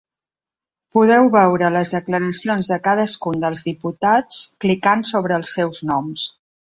Podeu veure les declaracions de cadascun dels diputats clicant sobre els seus noms.